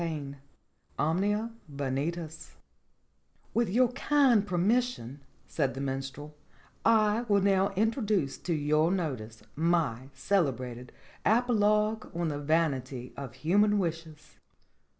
V OMNIA VANITAS "WITH your kind permission," said the Minstrel, "I will now introduce to your notice my celebrated apologue on the vanity of human wishes."